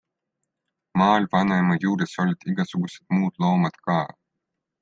Maal vanaema juures olid igasugused muud loomad ka.